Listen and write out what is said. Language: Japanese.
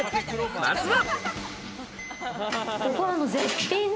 まずは。